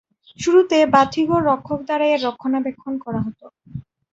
শুরুতে, বাতিঘর রক্ষক দ্বারা এর রক্ষণাবেক্ষণ করা হত।